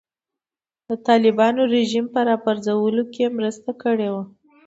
د طالبانو رژیم په راپرځولو کې مرسته کړې وه.